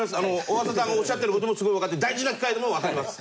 大麻さんがおっしゃってる事もすごいわかって大事な機械なのもわかります。